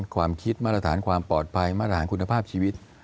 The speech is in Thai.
ความคิดมาตรฐานความปลอดภัยมาตรฐานคุณภาพชีวิต